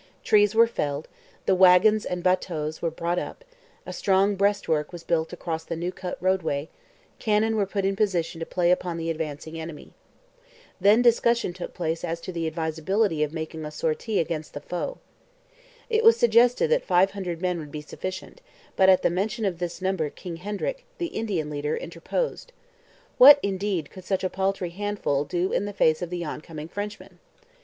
Trees were felled; the wagons and bateaux were brought up; a strong breastwork was built across the new cut roadway; cannon were put in position to play upon the advancing enemy. Then discussion took place as to the advisability of making a sortie against the foe. It was suggested that five hundred men would be sufficient, but at the mention of this number King Hendrick, the Indian leader, interposed. What, indeed, could such a paltry handful do in the face of the oncoming Frenchmen?